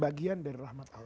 bagian dari rahmat allah